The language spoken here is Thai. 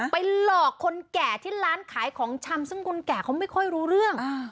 ไปหลอกคนแก่ที่ร้านขายของชำซึ่งคนแก่เขาไม่ค่อยรู้เรื่อง